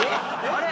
あれ？